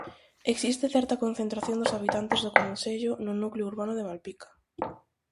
Existe certa concentración dos habitantes do concello no núcleo urbano de Malpica.